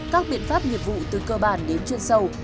các biện pháp nghiệp vụ từ cơ bản đến chuyên sâu